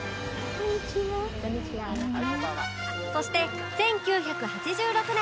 そして１９８６年